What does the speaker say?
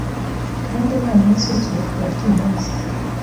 Kandi nta munsi w'ikiruhuko bafite uyu munsi